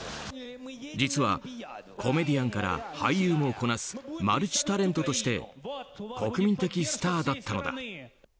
実はコメディアンから俳優もこなすマルチタレントとして国民的スターだったのだ。